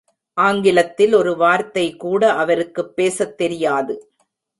ஆங்கிலத்தில் ஒரு வார்த்தைகூட அவருக்குப் பேசத் தெரியாது.